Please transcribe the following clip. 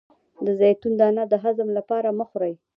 د زیتون دانه د هضم لپاره مه خورئ